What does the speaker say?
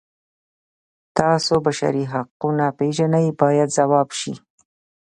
تاسو بشري حقونه پیژنئ باید ځواب شي.